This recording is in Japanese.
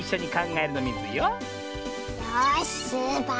よしスーパー